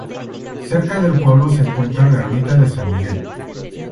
Cerca del pueblo se encuentra la ermita de San Miguel.